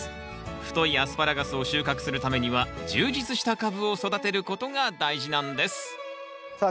太いアスパラガスを収穫するためには充実した株を育てることが大事なんですさあ